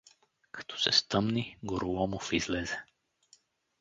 Като се стъмни, Гороломов излезе.